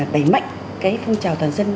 đẩy mạnh phong trào toàn dân